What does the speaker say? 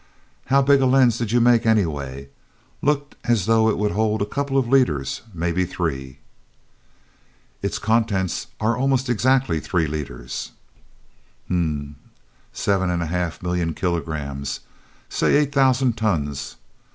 How big a lens did you make, anyway? Looked as though it would hold a couple of liters; maybe three." "Its contents are almost exactly three liters." "Hm m m. Seven and a half million kilograms say eight thousand tons.